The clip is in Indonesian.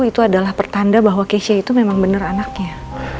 itu adalah pertanda bahwa keisha itu memang benar anaknya